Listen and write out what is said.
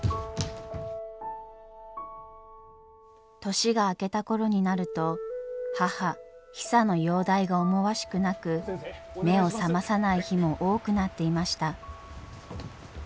年が明けた頃になると母ヒサの容体が思わしくなく目を覚まさない日も多くなっていました。